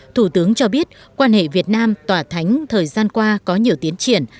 thủ tướng cho biết quan hệ việt nam tòa thánh thời gian qua có nhiều tiến triển